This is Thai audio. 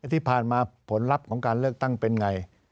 ที่ผ่านมาผลลัพธ์ของการเลือกตั้งเป็นไง